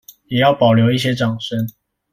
也要保留一些掌聲